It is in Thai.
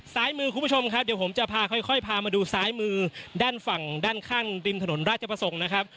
ซ้ายมือคุณผู้ชมครับเดี๋ยวผมจะพาค่อยพามาดูซ้ายมือด้านฝั่งด้านข้างริมถนนราชประสงค์นะครับ